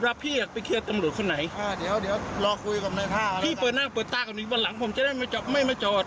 เดี๋ยวค่อยคุยกับเขา